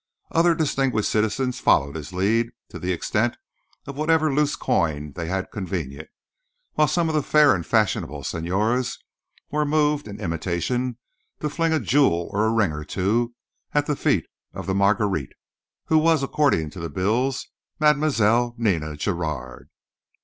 Other distinguished citizens followed his lead to the extent of whatever loose coin they had convenient, while some of the fair and fashionable señoras were moved, in imitation, to fling a jewel or a ring or two at the feet of the Marguerite—who was, according to the bills, Mlle. Nina Giraud.